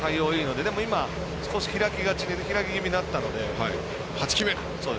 でも、今少し開き気味になってたので。